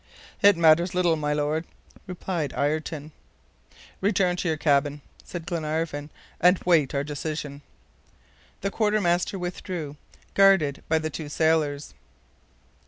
"It matters little, my Lord," replied Ayrton. "Return to your cabin," said Glenarvan, "and wait our decision." The quartermaster withdrew, guarded by the two sailors.